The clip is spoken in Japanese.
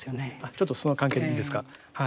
ちょっとその関係でいいですかはい。